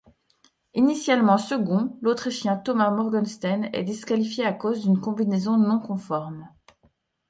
Initialement second, l'Autrichien Thomas Morgenstern est disqualifié à cause d'une combinaison non-conforme.